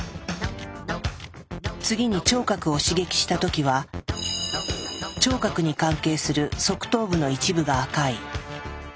次に聴覚を刺激した時は聴覚に関係する側頭部の一部が赤い。